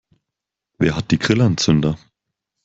Wer hat die Grillanzünder?